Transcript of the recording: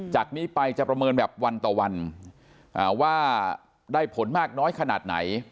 จากนี้ไปจะประเมินแบบวันต่อวันว่าได้ผลมากน้อยขนาดไหน